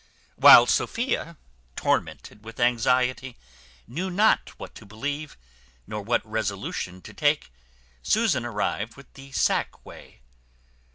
While Sophia, tormented with anxiety, knew not what to believe, nor what resolution to take, Susan arrived with the sack whey.